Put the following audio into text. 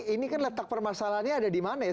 ini kan letak permasalahannya ada di mana ya